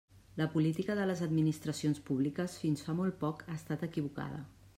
La política de les administracions públiques fins fa molt poc ha estat equivocada.